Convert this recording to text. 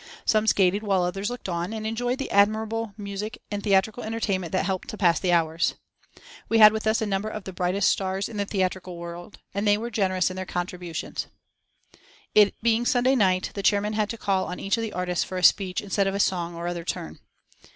Some skated while others looked on, and enjoyed the admirable musical and theatrical entertainment that helped to pass the hours. We had with us a number of the brightest stars in the theatrical world, and they were generous in their contributions. It being Sunday night, the chairman had to call on each of the artists for a "speech" instead of a song or other turn.